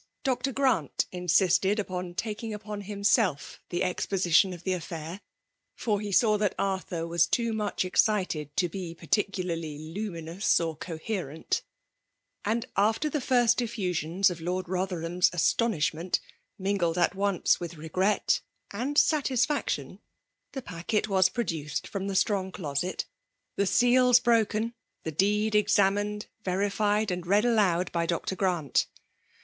Dr. Grant insisted on taking upon himself the exposition of the affair ; for he saw that Arthur was too much excited to be particularly luminous or coherent ; and after the first effusions of Lord Bother ham*s astonishment, mingled at once with regret and satisfaction, — the packet was pro duced from the strong closet, the seals broken, the deed examined, verified, and read aloud by Dr. Grant.